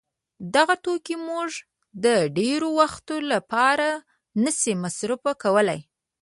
دغه توکي موږ د ډېر وخت له پاره نه سي مصروف کولای.